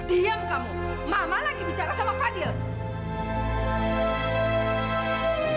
diam kamu mama lagi bicara sama fadil